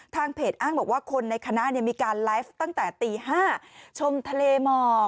เพจอ้างบอกว่าคนในคณะมีการไลฟ์ตั้งแต่ตี๕ชมทะเลหมอก